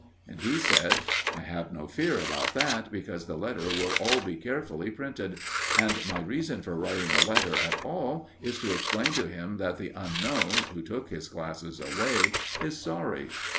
And he said: "I have no fear about that, because the letter will all be carefully printed; and my reason for writing a letter at all is to explain to him that the Unknown, who took his glasses away, is sorry."